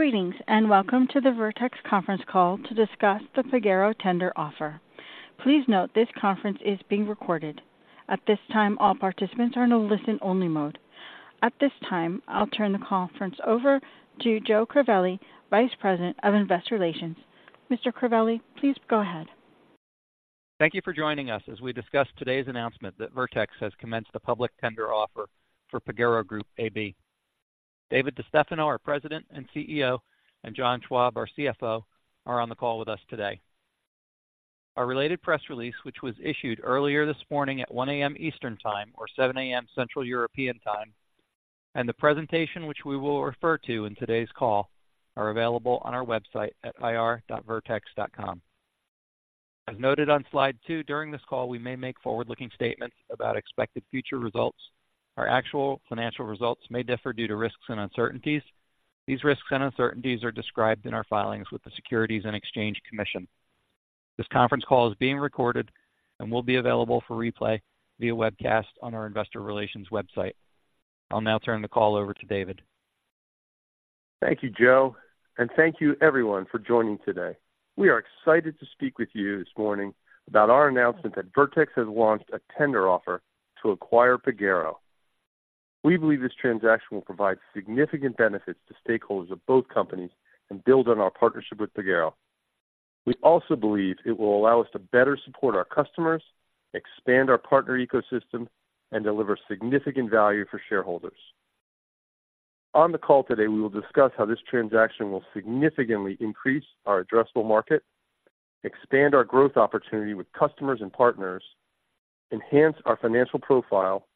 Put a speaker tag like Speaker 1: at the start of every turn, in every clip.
Speaker 1: Greetings, and welcome to the Vertex conference call to discuss the Pagero tender offer. Please note this conference is being recorded. At this time, all participants are in a listen-only mode. At this time, I'll turn the conference over to Joe Crivelli, Vice President of Investor Relations. Mr. Crivelli, please go ahead.
Speaker 2: Thank you for joining us as we discuss today's announcement that Vertex has commenced a public tender offer for Pagero Group AB. David DeStefano, our President and CEO, and John Schwab, our CFO, are on the call with us today. Our related press release, which was issued earlier this morning at 1:00 A.M. Eastern Time or 7:00 A.M. Central European Time, and the presentation, which we will refer to in today's call, are available on our website at ir.vertex.com. As noted on slide two, during this call, we may make forward-looking statements about expected future results. Our actual financial results may differ due to risks and uncertainties. These risks and uncertainties are described in our filings with the Securities and Exchange Commission. This conference call is being recorded and will be available for replay via webcast on our investor relations website. I'll now turn the call over to David.
Speaker 3: Thank you, Joe, and thank you everyone for joining today. We are excited to speak with you this morning about our announcement that Vertex has launched a tender offer to acquire Pagero. We believe this transaction will provide significant benefits to stakeholders of both companies and build on our partnership with Pagero. We also believe it will allow us to better support our customers, expand our partner ecosystem, and deliver significant value for shareholders. On the call today, we will discuss how this transaction will significantly increase our addressable market, expand our growth opportunity with customers and partners, enhance our financial profile,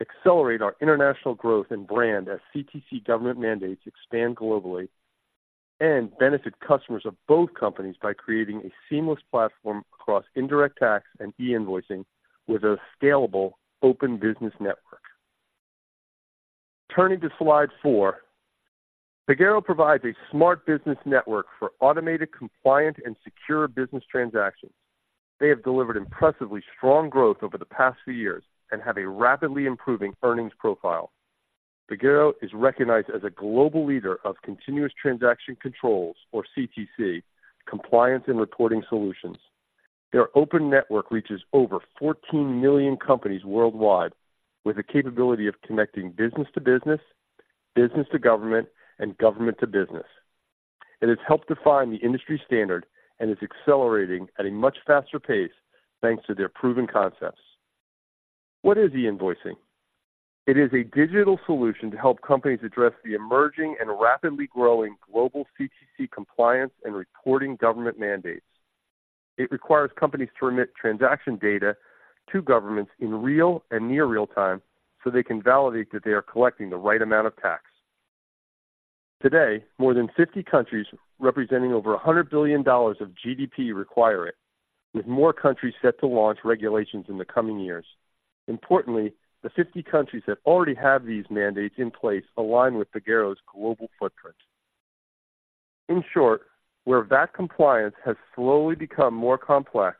Speaker 3: accelerate our international growth and brand as CTC government mandates expand globally, and benefit customers of both companies by creating a seamless platform across indirect tax and e-invoicing with a scalable open business network. Turning to slide four, Pagero provides a smart business network for automated, compliant, and secure business transactions. They have delivered impressively strong growth over the past few years and have a rapidly improving earnings profile. Pagero is recognized as a global leader of continuous transaction controls, or CTC, compliance and reporting solutions. Their open network reaches over 14 million companies worldwide, with the capability of connecting business to business, business to government, and government to business. It has helped define the industry standard and is accelerating at a much faster pace, thanks to their proven concepts. What is e-invoicing? It is a digital solution to help companies address the emerging and rapidly growing global CTC compliance and reporting government mandates. It requires companies to remit transaction data to governments in real and near real time so they can validate that they are collecting the right amount of tax. Today, more than 50 countries, representing over $100 billion of GDP, require it, with more countries set to launch regulations in the coming years. Importantly, the 50 countries that already have these mandates in place align with Pagero's global footprint. In short, where VAT compliance has slowly become more complex,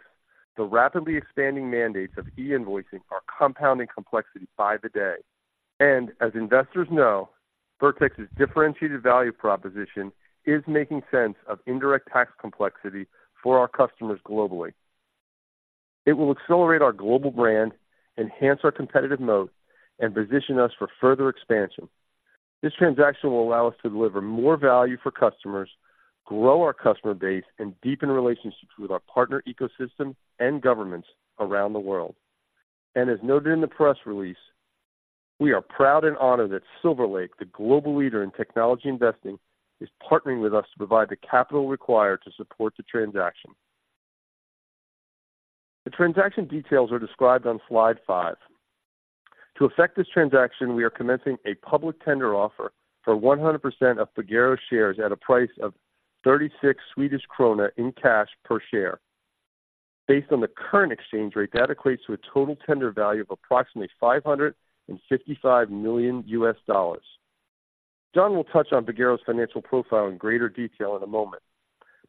Speaker 3: the rapidly expanding mandates of e-invoicing are compounding complexity by the day. As investors know, Vertex's differentiated value proposition is making sense of indirect tax complexity for our customers globally. It will accelerate our global brand, enhance our competitive moat, and position us for further expansion. This transaction will allow us to deliver more value for customers, grow our customer base, and deepen relationships with our partner ecosystem and governments around the world. As noted in the press release, we are proud and honored that Silver Lake, the global leader in technology investing, is partnering with us to provide the capital required to support the transaction. The transaction details are described on slide five. To effect this transaction, we are commencing a public tender offer for 100% of Pagero shares at a price of 36 Swedish krona in cash per share. Based on the current exchange rate, that equates to a total tender value of approximately $555 million. John will touch on Pagero's financial profile in greater detail in a moment,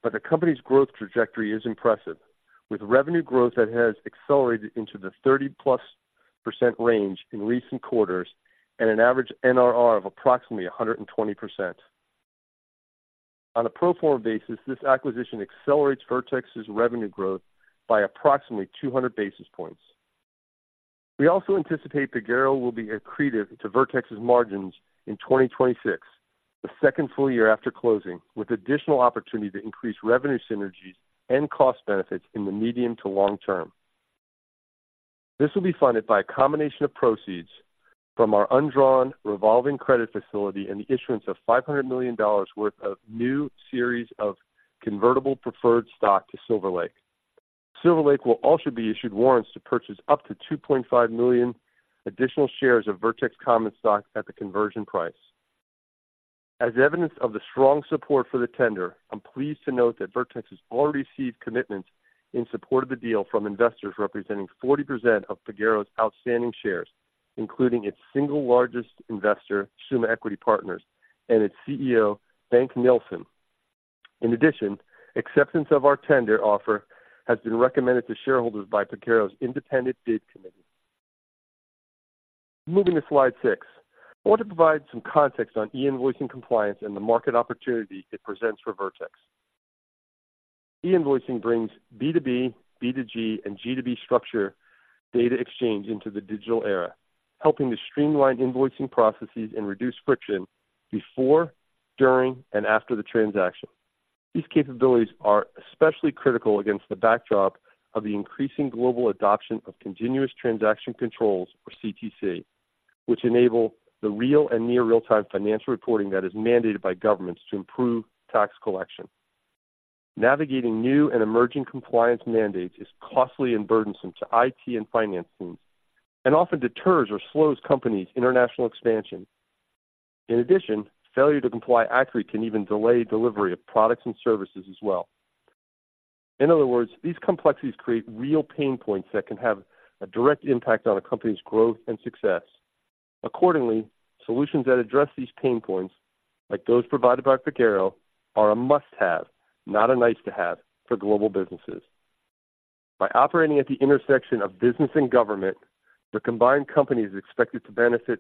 Speaker 3: but the company's growth trajectory is impressive, with revenue growth that has accelerated into the 30+% range in recent quarters and an average NRR of approximately 120%. On a pro forma basis, this acquisition accelerates Vertex's revenue growth by approximately 200 basis points. We also anticipate Pagero will be accretive to Vertex's margins in 2026, the second full year after closing, with additional opportunity to increase revenue synergies and cost benefits in the medium to long term. This will be funded by a combination of proceeds from our undrawn revolving credit facility and the issuance of $500 million worth of new series of convertible preferred stock to Silver Lake. Silver Lake will also be issued warrants to purchase up to 2.5 million additional shares of Vertex common stock at the conversion price. As evidence of the strong support for the tender, I'm pleased to note that Vertex has already received commitments in support of the deal from investors representing 40% of Pagero's outstanding shares, including its single largest investor, Summa Equity Partners, and its CEO, Bengt Nilsson. In addition, acceptance of our tender offer has been recommended to shareholders by Pagero's independent bid committee. Moving to slide six. I want to provide some context on e-invoicing compliance and the market opportunity it presents for Vertex. E-invoicing brings B2B, B2G, and G2B structure data exchange into the digital era, helping to streamline invoicing processes and reduce friction before, during, and after the transaction. These capabilities are especially critical against the backdrop of the increasing global adoption of continuous transaction controls, or CTC, which enable the real and near real-time financial reporting that is mandated by governments to improve tax collection. Navigating new and emerging compliance mandates is costly and burdensome to IT and finance teams, and often deters or slows companies' international expansion. In addition, failure to comply accurately can even delay delivery of products and services as well. In other words, these complexities create real pain points that can have a direct impact on a company's growth and success. Accordingly, solutions that address these pain points, like those provided by Pagero, are a must-have, not a nice-to-have, for global businesses. By operating at the intersection of business and government, the combined company is expected to benefit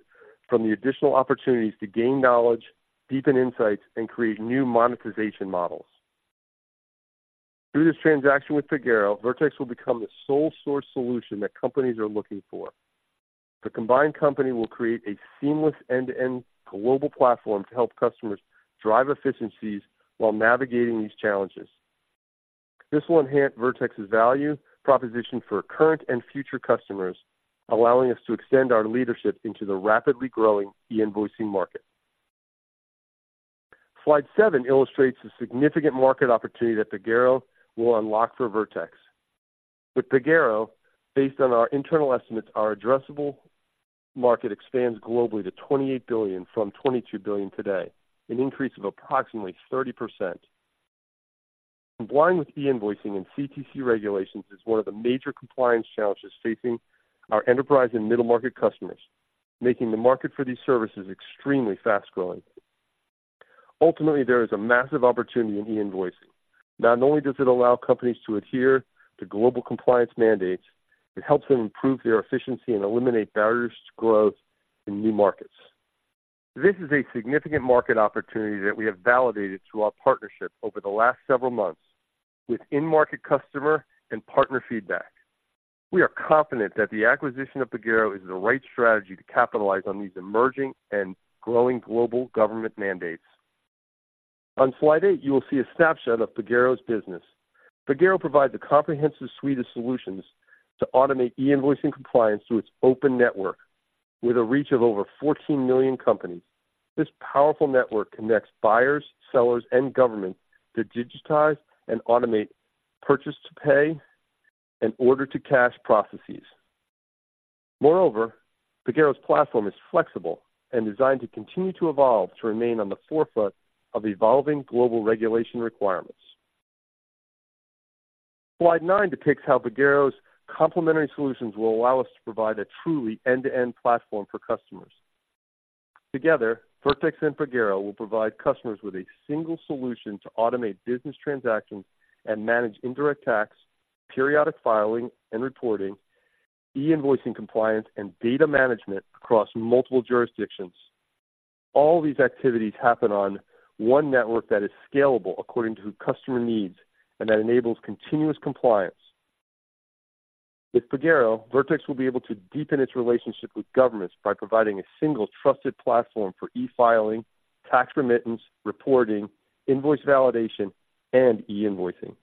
Speaker 3: from the additional opportunities to gain knowledge, deepen insights, and create new monetization models. Through this transaction with Pagero, Vertex will become the sole source solution that companies are looking for. The combined company will create a seamless end-to-end global platform to help customers drive efficiencies while navigating these challenges. This will enhance Vertex's value proposition for current and future customers, allowing us to extend our leadership into the rapidly growing e-invoicing market. Slide seven illustrates the significant market opportunity that Pagero will unlock for Vertex. With Pagero, based on our internal estimates, our addressable market expands globally to $28 billion from $22 billion today, an increase of approximately 30%. Complying with e-invoicing and CTC regulations is one of the major compliance challenges facing our enterprise and middle-market customers, making the market for these services extremely fast-growing. Ultimately, there is a massive opportunity in e-invoicing. Not only does it allow companies to adhere to global compliance mandates, it helps them improve their efficiency and eliminate barriers to growth in new markets. This is a significant market opportunity that we have validated through our partnership over the last several months with in-market customer and partner feedback. We are confident that the acquisition of Pagero is the right strategy to capitalize on these emerging and growing global government mandates. On slide eight, you will see a snapshot of Pagero's business. Pagero provides a comprehensive suite of solutions to automate e-invoicing compliance through its open network, with a reach of over 14 million companies. This powerful network connects buyers, sellers, and government to digitize and automate purchase-to-pay and order-to-cash processes. Moreover, Pagero's platform is flexible and designed to continue to evolve to remain on the forefront of evolving global regulation requirements. Slide nine depicts how Pagero's complementary solutions will allow us to provide a truly end-to-end platform for customers. Together, Vertex and Pagero will provide customers with a single solution to automate business transactions and manage indirect tax, periodic filing and reporting, e-invoicing, compliance, and data management across multiple jurisdictions. All these activities happen on one network that is scalable according to customer needs and that enables continuous compliance. With Pagero, Vertex will be able to deepen its relationship with governments by providing a single trusted platform for e-filing, tax remittance, reporting, invoice validation, and e-invoicing.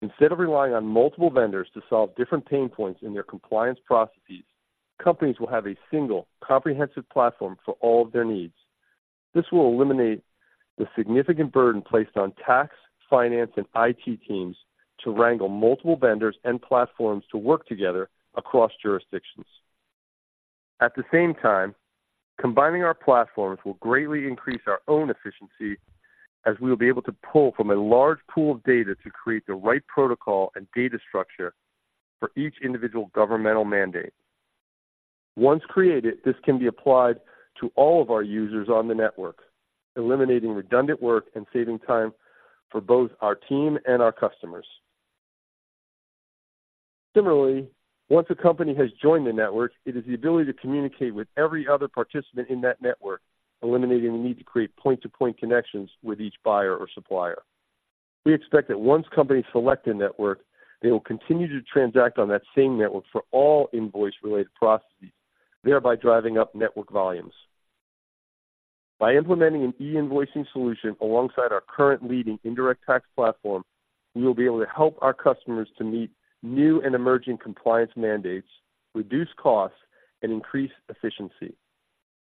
Speaker 3: Instead of relying on multiple vendors to solve different pain points in their compliance processes, companies will have a single comprehensive platform for all of their needs. This will eliminate the significant burden placed on tax, finance, and IT teams to wrangle multiple vendors and platforms to work together across jurisdictions. At the same time, combining our platforms will greatly increase our own efficiency, as we will be able to pull from a large pool of data to create the right protocol and data structure for each individual governmental mandate. Once created, this can be applied to all of our users on the network, eliminating redundant work and saving time for both our team and our customers. Similarly, once a company has joined the network, it has the ability to communicate with every other participant in that network, eliminating the need to create point-to-point connections with each buyer or supplier. We expect that once companies select a network, they will continue to transact on that same network for all invoice-related processes, thereby driving up network volumes. By implementing an e-invoicing solution alongside our current leading indirect tax platform, we will be able to help our customers to meet new and emerging compliance mandates, reduce costs, and increase efficiency.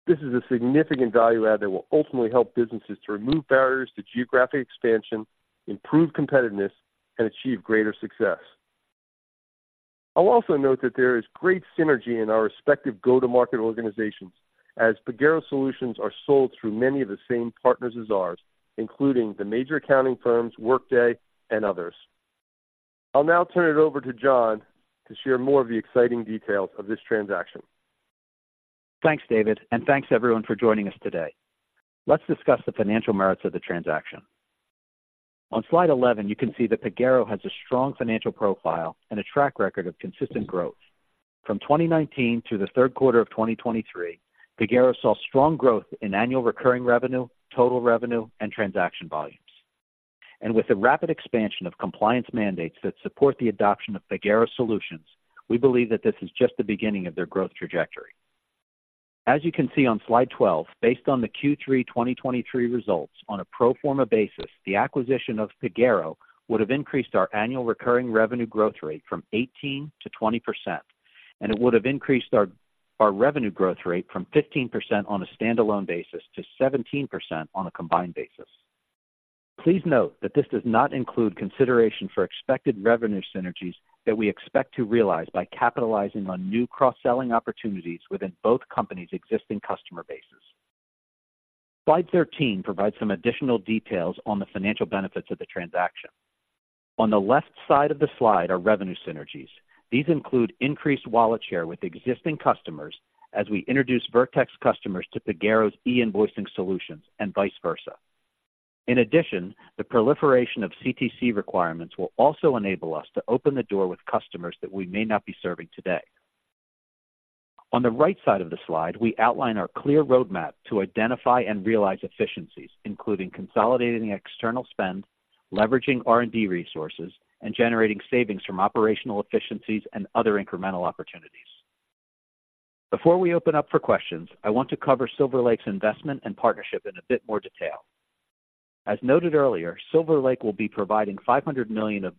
Speaker 3: This is a significant value add that will ultimately help businesses to remove barriers to geographic expansion, improve competitiveness, and achieve greater success. I'll also note that there is great synergy in our respective go-to-market organizations, as Pagero solutions are sold through many of the same partners as ours, including the major accounting firms, Workday, and others. I'll now turn it over to John to share more of the exciting details of this transaction.
Speaker 4: Thanks, David, and thanks everyone for joining us today. Let's discuss the financial merits of the transaction. On slide 11, you can see that Pagero has a strong financial profile and a track record of consistent growth. From 2019 through the third quarter of 2023, Pagero saw strong growth in annual recurring revenue, total revenue, and transaction volumes. With the rapid expansion of compliance mandates that support the adoption of Pagero solutions, we believe that this is just the beginning of their growth trajectory. As you can see on slide 12, based on the Q3 2023 results, on a pro forma basis, the acquisition of Pagero would have increased our annual recurring revenue growth rate from 18%-20%, and it would have increased our revenue growth rate from 15% on a standalone basis to 17% on a combined basis. Please note that this does not include consideration for expected revenue synergies that we expect to realize by capitalizing on new cross-selling opportunities within both companies' existing customer bases. Slide 13 provides some additional details on the financial benefits of the transaction. On the left side of the slide are revenue synergies. These include increased wallet share with existing customers as we introduce Vertex customers to Pagero's e-invoicing solutions and vice versa. In addition, the proliferation of CTC requirements will also enable us to open the door with customers that we may not be serving today. On the right side of the slide, we outline our clear roadmap to identify and realize efficiencies, including consolidating external spend, leveraging R&D resources, and generating savings from operational efficiencies and other incremental opportunities. Before we open up for questions, I want to cover Silver Lake's investment and partnership in a bit more detail. As noted earlier, Silver Lake will be providing $500 million of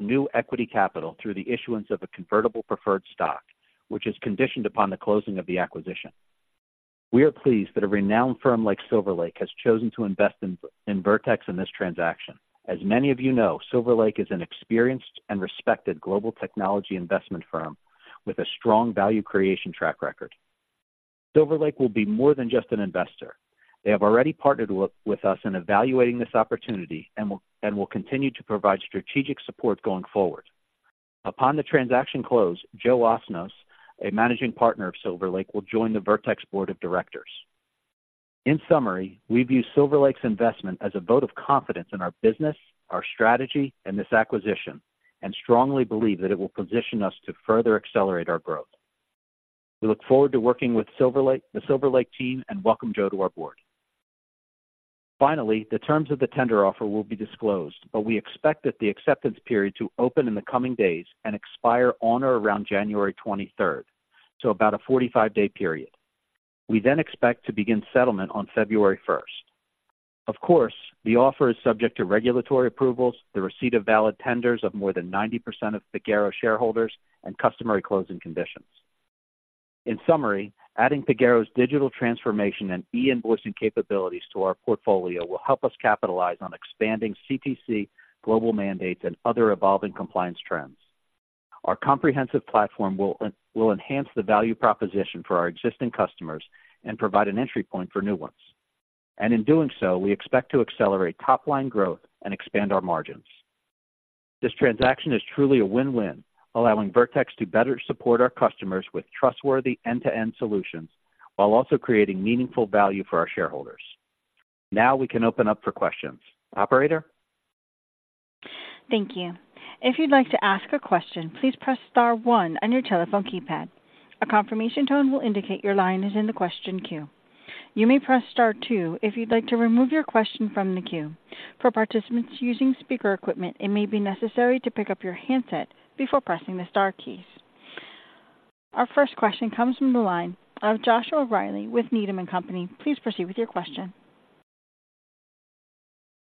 Speaker 4: new equity capital through the issuance of a convertible preferred stock, which is conditioned upon the closing of the acquisition. We are pleased that a renowned firm like Silver Lake has chosen to invest in, in Vertex in this transaction. As many of you know, Silver Lake is an experienced and respected global technology investment firm with a strong value creation track record. Silver Lake will be more than just an investor. They have already partnered with, with us in evaluating this opportunity and will, and will continue to provide strategic support going forward. Upon the transaction close, Joe Osnoss, a managing partner of Silver Lake, will join the Vertex board of directors. In summary, we view Silver Lake's investment as a vote of confidence in our business, our strategy, and this acquisition, and strongly believe that it will position us to further accelerate our growth. We look forward to working with Silver Lake, the Silver Lake team, and welcome Joe to our board. Finally, the terms of the tender offer will be disclosed, but we expect that the acceptance period to open in the coming days and expire on or around January 23rd, so about a 45-day period. We then expect to begin settlement on February 1st. Of course, the offer is subject to regulatory approvals, the receipt of valid tenders of more than 90% of Pagero shareholders, and customary closing conditions. In summary, adding Pagero's digital transformation and e-invoicing capabilities to our portfolio will help us capitalize on expanding CTC global mandates and other evolving compliance trends. Our comprehensive platform will enhance the value proposition for our existing customers and provide an entry point for new ones. In doing so, we expect to accelerate top-line growth and expand our margins. This transaction is truly a win-win, allowing Vertex to better support our customers with trustworthy end-to-end solutions, while also creating meaningful value for our shareholders. Now we can open up for questions. Operator?
Speaker 1: Thank you. If you'd like to ask a question, please press star one on your telephone keypad. A confirmation tone will indicate your line is in the question queue. You may press star two if you'd like to remove your question from the queue. For participants using speaker equipment, it may be necessary to pick up your handset before pressing the star keys. Our first question comes from the line of Joshua Riley with Needham and Company. Please proceed with your question.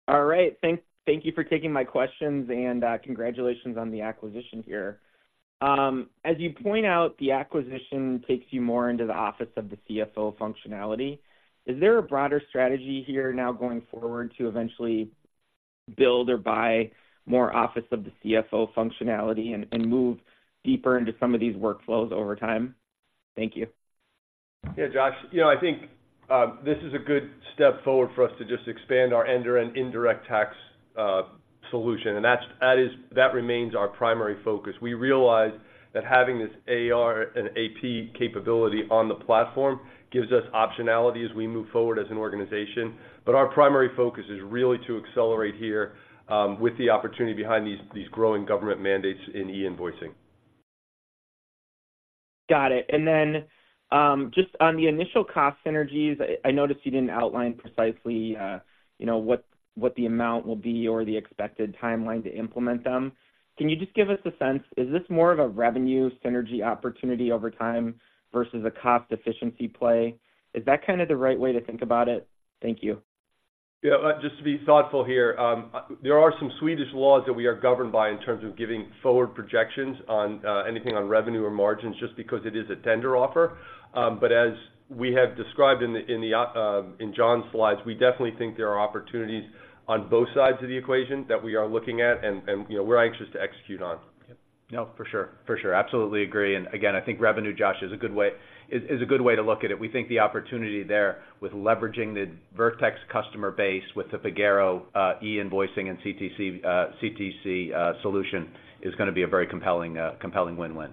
Speaker 5: All right. Thank you for taking my questions, and congratulations on the acquisition here. As you point out, the acquisition takes you more into the office of the CFO functionality. Is there a broader strategy here now going forward to eventually build or buy more office of the CFO functionality and move deeper into some of these workflows over time? Thank you.
Speaker 3: Yeah, Josh, you know, I think this is a good step forward for us to just expand our end-to-end indirect tax solution. And that's, that remains our primary focus. We realize that having this AR and AP capability on the platform gives us optionality as we move forward as an organization. But our primary focus is really to accelerate here with the opportunity behind these growing government mandates in e-invoicing.
Speaker 5: Got it. And then, just on the initial cost synergies, I noticed you didn't outline precisely, you know, what the amount will be or the expected timeline to implement them. Can you just give us a sense, is this more of a revenue synergy opportunity over time versus a cost efficiency play? Is that kind of the right way to think about it? Thank you.
Speaker 3: Yeah, just to be thoughtful here, there are some Swedish laws that we are governed by in terms of giving forward projections on anything on revenue or margins, just because it is a tender offer. But as we have described in John's slides, we definitely think there are opportunities on both sides of the equation that we are looking at and, you know, we're anxious to execute on.
Speaker 4: Yep. No, for sure. For sure. Absolutely agree. And again, I think revenue, Josh, is a good way, is a good way to look at it. We think the opportunity there with leveraging the Vertex customer base, with the Pagero e-invoicing and CTC solution, is gonna be a very compelling win-win.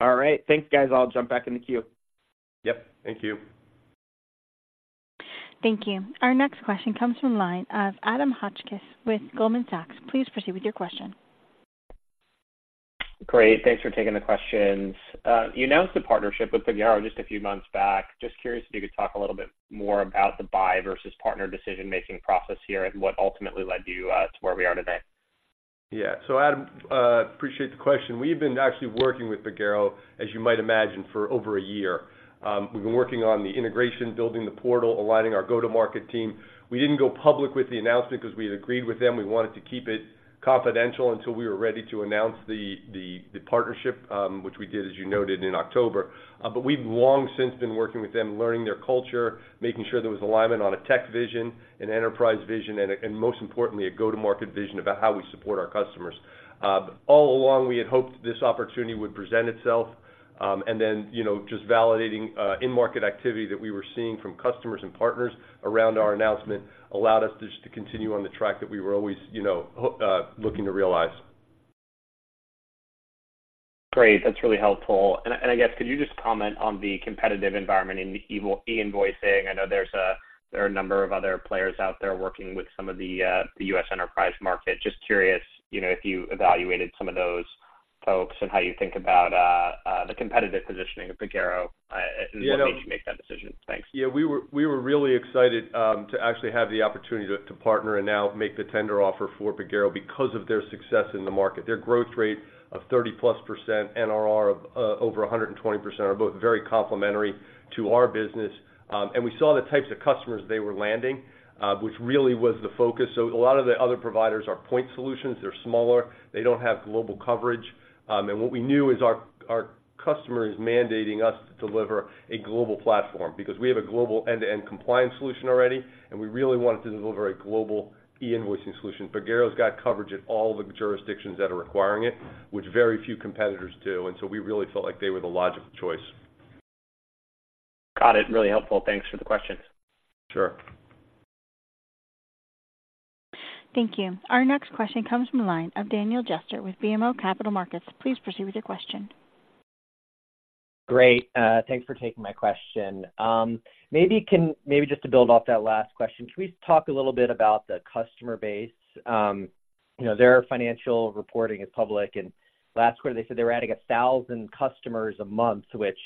Speaker 5: All right. Thanks, guys. I'll jump back in the queue.
Speaker 3: Yep, thank you.
Speaker 1: Thank you. Our next question comes from the line of Adam Hotchkiss with Goldman Sachs. Please proceed with your question.
Speaker 6: Great, thanks for taking the questions. You announced the partnership with Pagero just a few months back. Just curious if you could talk a little bit more about the buy versus partner decision-making process here and what ultimately led you to where we are today?
Speaker 3: Yeah. So, Adam, appreciate the question. We've been actually working with Pagero, as you might imagine, for over a year. We've been working on the integration, building the portal, aligning our go-to-market team. We didn't go public with the announcement because we had agreed with them, we wanted to keep it confidential until we were ready to announce the partnership, which we did, as you noted, in October. But we've long since been working with them, learning their culture, making sure there was alignment on a tech vision, an enterprise vision, and most importantly, a go-to-market vision about how we support our customers. All along, we had hoped this opportunity would present itself, and then, you know, just validating in-market activity that we were seeing from customers and partners around our announcement allowed us just to continue on the track that we were always, you know, looking to realize.
Speaker 6: Great, that's really helpful. And I guess, could you just comment on the competitive environment in e-invoicing? I know there are a number of other players out there working with some of the US enterprise market. Just curious, you know, if you evaluated some of those folks and how you think about the competitive positioning of Pagero, and what made you make that decision? Thanks.
Speaker 3: Yeah, we were, we were really excited to actually have the opportunity to partner and now make the tender offer for Pagero because of their success in the market. Their growth rate of 30%+, NRR of over 120%, are both very complementary to our business. And we saw the types of customers they were landing, which really was the focus. So a lot of the other providers are point solutions, they're smaller, they don't have global coverage. And what we knew is our customer is mandating us to deliver a global platform because we have a global end-to-end compliance solution already, and we really wanted to deliver a global e-invoicing solution. Pagero's got coverage in all the jurisdictions that are requiring it, which very few competitors do, and so we really felt like they were the logical choice.
Speaker 6: Got it. Really helpful. Thanks for the questions.
Speaker 3: Sure.
Speaker 1: Thank you. Our next question comes from the line of Daniel Jester with BMO Capital Markets. Please proceed with your question.
Speaker 7: Great. Thanks for taking my question. Maybe just to build off that last question, can we talk a little bit about the customer base? You know, their financial reporting is public, and last quarter, they said they were adding 1,000 customers a month, which,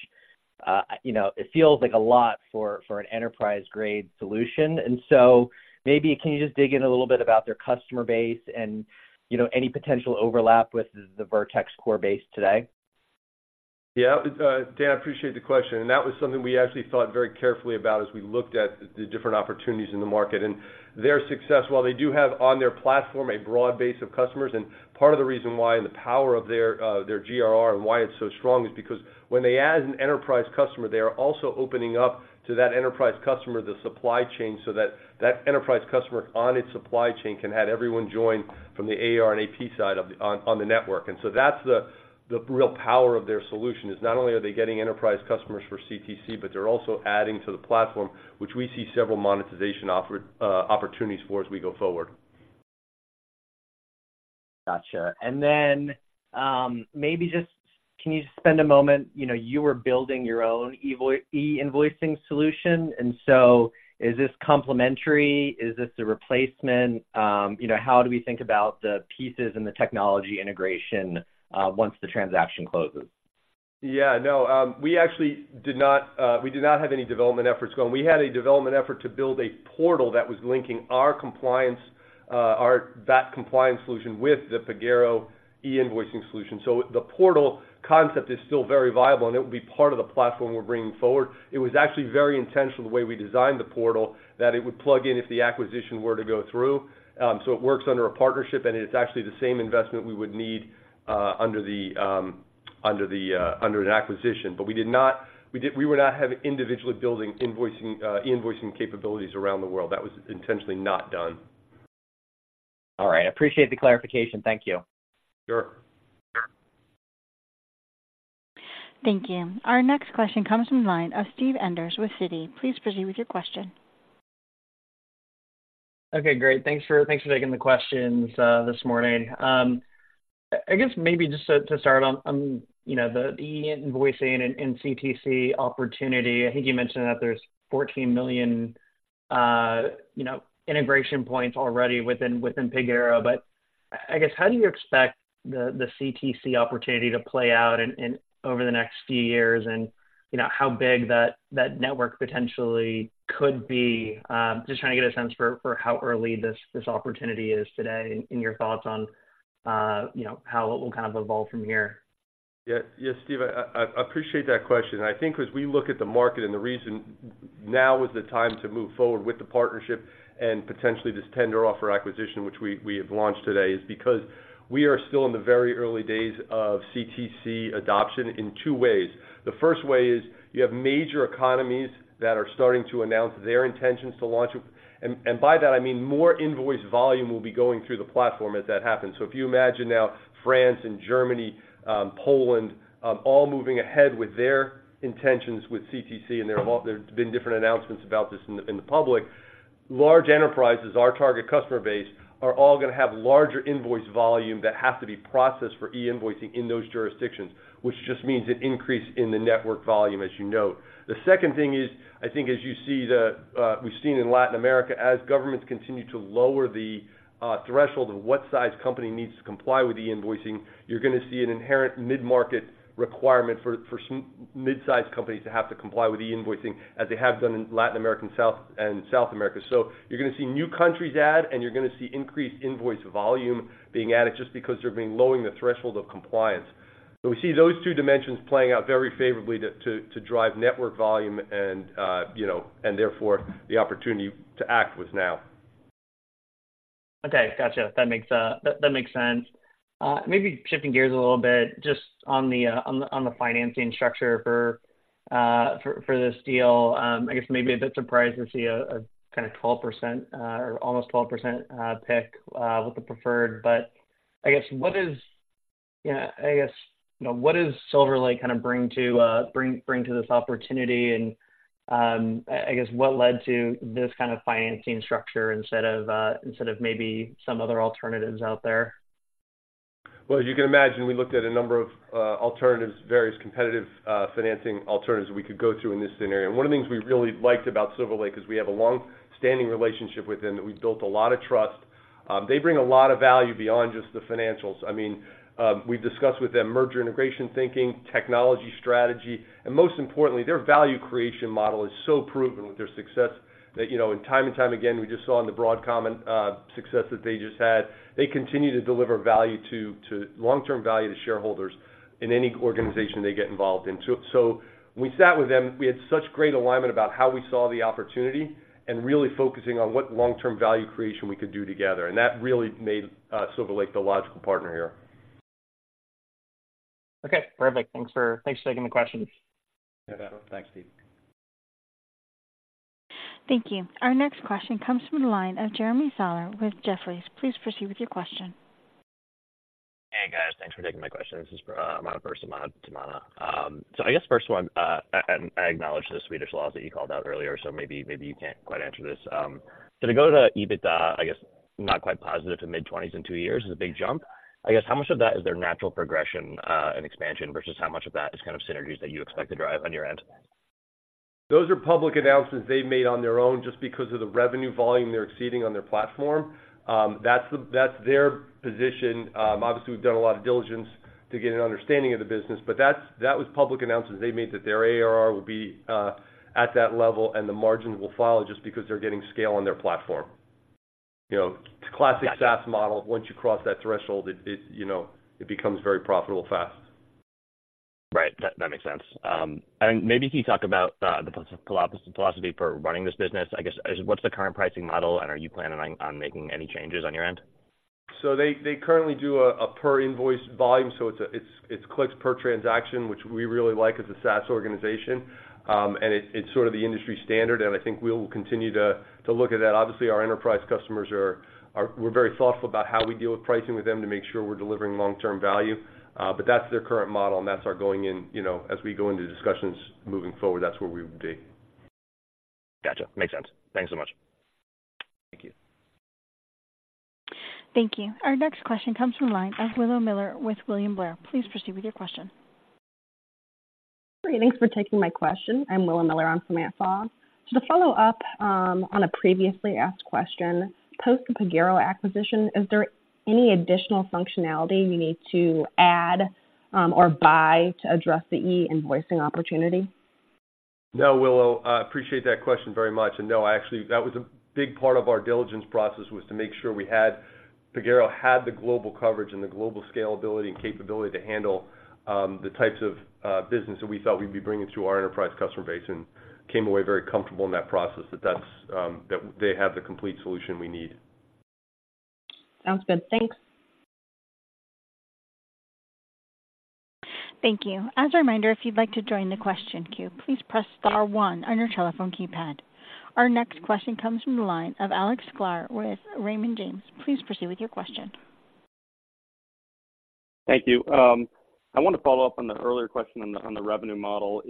Speaker 7: you know, it feels like a lot for an enterprise-grade solution. And so maybe can you just dig in a little bit about their customer base and, you know, any potential overlap with the Vertex core base today?
Speaker 3: Yeah, Dan, I appreciate the question, and that was something we actually thought very carefully about as we looked at the different opportunities in the market. And their success, while they do have on their platform a broad base of customers, and part of the reason why, and the power of their their GRR and why it's so strong, is because when they add an enterprise customer, they are also opening up to that enterprise customer the supply chain, so that that enterprise customer on its supply chain can have everyone join from the AR and AP side of the on the network. And so that's the the real power of their solution, is not only are they getting enterprise customers for CTC, but they're also adding to the platform, which we see several monetization offer opportunities for as we go forward.
Speaker 7: Gotcha. And then, maybe just... Can you just spend a moment, you know, you were building your own e-invoicing solution, and so is this complementary? Is this a replacement? You know, how do we think about the pieces and the technology integration once the transaction closes?
Speaker 3: Yeah. No, we actually did not, we did not have any development efforts going. We had a development effort to build a portal that was linking our compliance, that compliance solution with the Pagero e-invoicing solution. So the portal concept is still very viable, and it will be part of the platform we're bringing forward. It was actually very intentional, the way we designed the portal, that it would plug in if the acquisition were to go through. So it works under a partnership, and it's actually the same investment we would need, under an acquisition. But we would not have individually building invoicing, e-invoicing capabilities around the world. That was intentionally not done.
Speaker 7: All right. I appreciate the clarification. Thank you.
Speaker 3: Sure.
Speaker 1: Thank you. Our next question comes from the line of Steve Enders with Citi. Please proceed with your question.
Speaker 8: Okay, great. Thanks for taking the questions this morning. I guess maybe just to start on you know the e-invoicing and CTC opportunity, I think you mentioned that there's 14 million you know integration points already within Pagero. But I guess, how do you expect the CTC opportunity to play out in over the next few years? And, you know, how big that network potentially could be? Just trying to get a sense for how early this opportunity is today and your thoughts on, you know, how it will kind of evolve from here.
Speaker 3: Yeah. Yeah, Steve, I, I appreciate that question. I think as we look at the market and the reason now is the time to move forward with the partnership and potentially this tender offer acquisition, which we, we have launched today, is because we are still in the very early days of CTC adoption in two ways. The first way is you have major economies that are starting to announce their intentions to launch. And by that I mean more invoice volume will be going through the platform as that happens. So if you imagine now France and Germany, Poland, all moving ahead with their intentions with CTC, and there have been different announcements about this in the public.... Large enterprises, our target customer base, are all going to have larger invoice volume that has to be processed for e-invoicing in those jurisdictions, which just means an increase in the network volume, as you note. The second thing is, I think as you see the, we've seen in Latin America, as governments continue to lower the threshold of what size company needs to comply with the e-invoicing, you're gonna see an inherent mid-market requirement for, for some mid-sized companies to have to comply with the e-invoicing as they have done in Latin American, South and South America. So you're gonna see new countries add, and you're gonna see increased invoice volume being added just because they're being lowering the threshold of compliance. So we see those two dimensions playing out very favorably to drive network volume and, you know, and therefore, the opportunity to act with now.
Speaker 8: Okay, got you. That makes sense. Maybe shifting gears a little bit, just on the financing structure for this deal. I guess maybe a bit surprised to see a kinda 12% or almost 12% PIK with the preferred. But I guess, you know, what does Silver Lake kinda bring to this opportunity? And I guess what led to this kind of financing structure instead of maybe some other alternatives out there?
Speaker 3: Well, as you can imagine, we looked at a number of alternatives, various competitive financing alternatives that we could go through in this scenario. One of the things we really liked about Silver Lake is we have a long-standing relationship with them, that we've built a lot of trust. They bring a lot of value beyond just the financials. I mean, we've discussed with them merger integration, thinking, technology strategy, and most importantly, their value creation model is so proven with their success that, you know, and time and time again, we just saw in the Broadcom and success that they just had. They continue to deliver value to long-term value to shareholders in any organization they get involved in. So we sat with them. We had such great alignment about how we saw the opportunity and really focusing on what long-term value creation we could do together, and that really made Silver Lake the logical partner here.
Speaker 8: Okay, perfect. Thanks for taking the questions.
Speaker 3: Yeah. Thanks, Steve.
Speaker 1: Thank you. Our next question comes from the line of Jeremy Sahler with Jefferies. Please proceed with your question.
Speaker 9: Hey, guys. Thanks for taking my question. This is, my first time on Tamanna. So I guess first one, and I acknowledge the Swedish laws that you called out earlier, so maybe, maybe you can't quite answer this. So to go to EBITDA, I guess, not quite positive to mid-twenties in two years is a big jump. I guess, how much of that is their natural progression, and expansion, versus how much of that is kind of synergies that you expect to drive on your end?
Speaker 3: Those are public announcements they've made on their own just because of the revenue volume they're exceeding on their platform. That's their position. Obviously, we've done a lot of diligence to get an understanding of the business, but that was public announcements they made, that their ARR would be at that level, and the margins will follow just because they're getting scale on their platform. You know, it's a classic SaaS model. Once you cross that threshold, you know, it becomes very profitable fast.
Speaker 9: Right. That, that makes sense. And maybe can you talk about the philosophy for running this business? I guess, is what's the current pricing model, and are you planning on, on making any changes on your end?
Speaker 3: So they currently do a per invoice volume, so it's clicks per transaction, which we really like as a SaaS organization. And it's sort of the industry standard, and I think we will continue to look at that. Obviously, our enterprise customers are. We're very thoughtful about how we deal with pricing with them to make sure we're delivering long-term value, but that's their current model, and that's our going in. You know, as we go into discussions moving forward, that's where we would be.
Speaker 9: Gotcha! Makes sense. Thanks so much.
Speaker 3: Thank you.
Speaker 1: Thank you. Our next question comes from the line of Willow Miller with William Blair. Please proceed with your question.
Speaker 10: Great, thanks for taking my question. I'm Willow Miller. I'm from William Blair. So to follow up on a previously asked question, post the Pagero acquisition, is there any additional functionality you need to add or buy to address the e-invoicing opportunity?
Speaker 3: No, Willow, I appreciate that question very much. No, actually, that was a big part of our diligence process, was to make sure Pagero had the global coverage and the global scalability and capability to handle the types of business that we thought we'd be bringing to our enterprise customer base and came away very comfortable in that process, that that's that they have the complete solution we need.
Speaker 10: Sounds good. Thanks.
Speaker 1: Thank you. As a reminder, if you'd like to join the question queue, please press star one on your telephone keypad. Our next question comes from the line of Alex Sklar with Raymond James. Please proceed with your question.
Speaker 11: Thank you. I want to follow up on the earlier question on the, on the revenue model.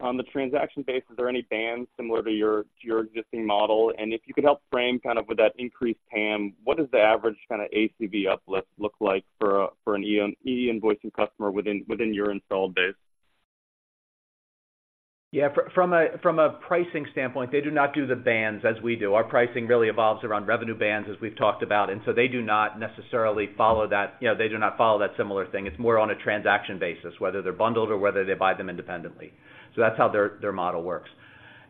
Speaker 11: On the transaction base, is there any bands similar to your, to your existing model? And if you could help frame kind of with that increased TAM, what does the average kinda ACV uplift look like for an e-invoicing customer within, within your installed base?
Speaker 4: Yeah, from a pricing standpoint, they do not do the bands as we do. Our pricing really evolves around revenue bands, as we've talked about, and so they do not necessarily follow that. You know, they do not follow that similar thing. It's more on a transaction basis, whether they're bundled or whether they buy them independently. So that's how their model works.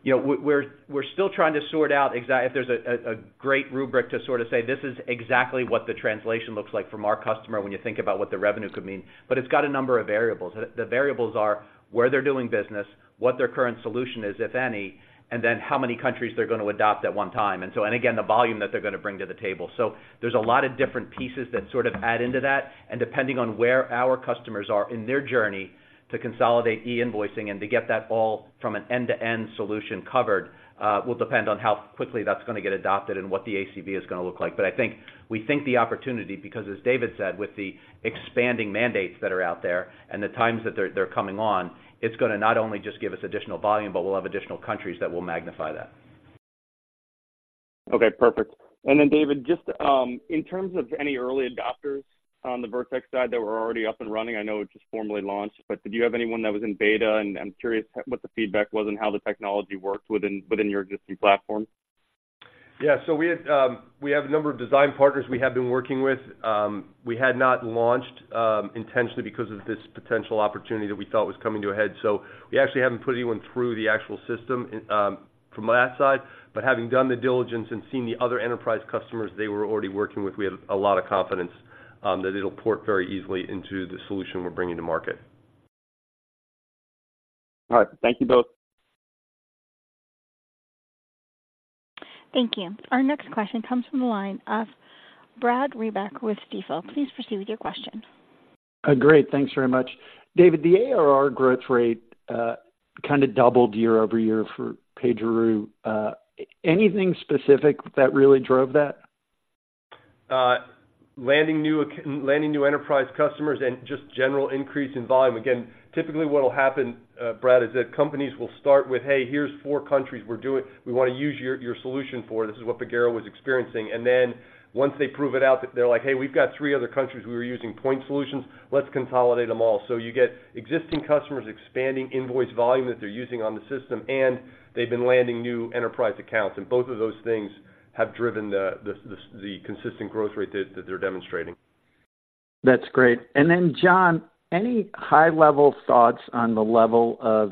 Speaker 4: You know, we're still trying to sort out if there's a great rubric to sort of say, "This is exactly what the translation looks like from our customer," when you think about what the revenue could mean. But it's got a number of variables. The variables are where they're doing business, what their current solution is, if any, and then how many countries they're going to adopt at one time, and so, and again, the volume that they're gonna bring to the table. So there's a lot of different pieces that sort of add into that, and depending on where our customers are in their journey to consolidate e-invoicing and to get that all from an end-to-end solution covered, will depend on how quickly that's gonna get adopted and what the ACV is gonna look like. But I think, we think the opportunity, because as David said, with the expanding mandates that are out there and the times that they're coming on, it's gonna not only just give us additional volume, but we'll have additional countries that will magnify that.
Speaker 11: Okay, perfect. And then, David, just, in terms of any early adopters on the Vertex side that were already up and running, I know it just formally launched, but did you have anyone that was in beta? And I'm curious what the feedback was and how the technology worked within your existing platform.
Speaker 3: Yeah, so we had, we have a number of design partners we have been working with. We had not launched, intentionally because of this potential opportunity that we thought was coming to a head. So we actually haven't put anyone through the actual system, from that side. But having done the diligence and seen the other enterprise customers they were already working with, we have a lot of confidence, that it'll port very easily into the solution we're bringing to market.
Speaker 11: All right. Thank you both.
Speaker 1: Thank you. Our next question comes from the line of Brad Reback with Stifel. Please proceed with your question.
Speaker 12: Great. Thanks very much. David, the ARR growth rate kind of doubled year-over-year for Pagero. Anything specific that really drove that?
Speaker 3: Landing new enterprise customers and just general increase in volume. Again, typically what will happen, Brad, is that companies will start with, "Hey, here's four countries we're doing. We want to use your, your solution for," this is what Pagero was experiencing. And then once they prove it out, they're like: Hey, we've got three other countries we were using point solutions. Let's consolidate them all. So you get existing customers expanding invoice volume that they're using on the system, and they've been landing new enterprise accounts, and both of those things have driven the consistent growth rate that they're demonstrating.
Speaker 12: That's great. And then, John, any high-level thoughts on the level of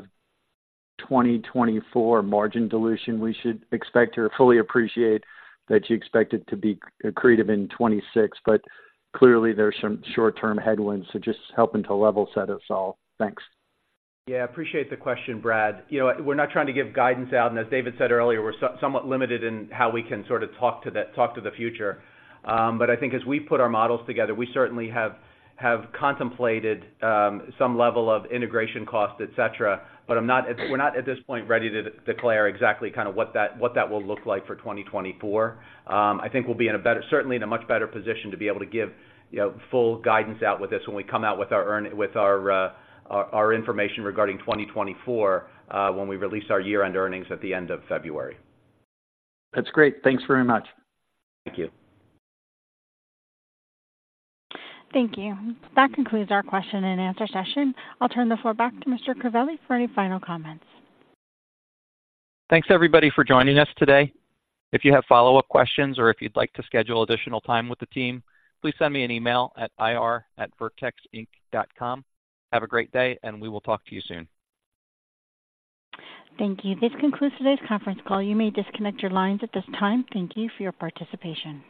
Speaker 12: 2024 margin dilution we should expect, or fully appreciate that you expect it to be accretive in 2026? But clearly, there are some short-term headwinds, so just helping to level set us all. Thanks.
Speaker 4: Yeah, appreciate the question, Brad. You know, we're not trying to give guidance out, and as David said earlier, we're somewhat limited in how we can sort of talk to the future. But I think as we put our models together, we certainly have contemplated some level of integration costs, et cetera. But I'm not, we're not, at this point, ready to declare exactly kind of what that will look like for 2024. I think we'll be in a better, certainly in a much better position to be able to give, you know, full guidance out with this when we come out with our earnings information regarding 2024, when we release our year-end earnings at the end of February.
Speaker 12: That's great. Thanks very much.
Speaker 4: Thank you.
Speaker 1: Thank you. That concludes our question-and-answer session. I'll turn the floor back to Mr. Crivelli for any final comments.
Speaker 2: Thanks, everybody, for joining us today. If you have follow-up questions or if you'd like to schedule additional time with the team, please send me an email at ir@vertexinc.com. Have a great day, and we will talk to you soon.
Speaker 1: Thank you. This concludes today's conference call. You may disconnect your lines at this time. Thank you for your participation.